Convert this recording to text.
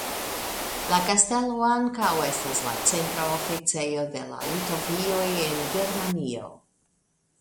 La kastelo ankaŭ estas la centra oficejo de la Litovoj en Germanio.